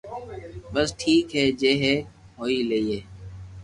بس ٺيڪ ھي جي ھي ھوئي ليئي